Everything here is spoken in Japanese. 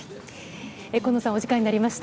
河野さん、お時間になりました。